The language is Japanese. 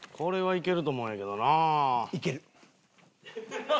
いける？